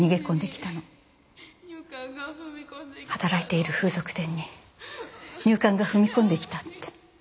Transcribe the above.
働いている風俗店に入管が踏み込んできたって。